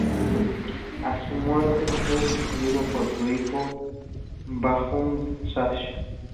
A su muerte fue sucedido por su hijo Bahadur Shah.